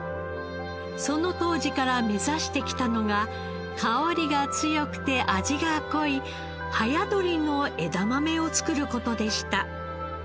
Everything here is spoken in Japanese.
その当時から目指してきたのが香りが強くて味が濃い早採りの枝豆を作る事でした。